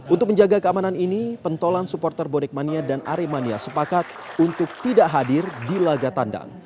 untuk menjaga keamanan ini pentolan supporter bonek mania dan aremania sepakat untuk tidak hadir di laga tandang